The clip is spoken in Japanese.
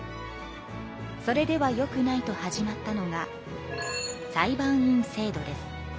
それではよくないと始まったのが裁判員制度です。